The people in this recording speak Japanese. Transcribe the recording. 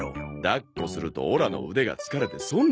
抱っこするとオラの腕が疲れて損だべ。